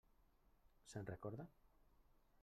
Se'n recorda?